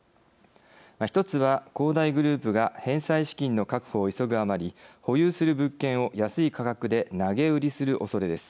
１つは、恒大グループが返済資金の確保を急ぐあまり保有する物件を安い価格で投げ売りするおそれです。